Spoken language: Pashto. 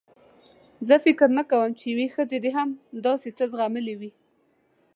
زه فکر نه کوم چې یوې ښځې دې هم داسې څه زغملي وي.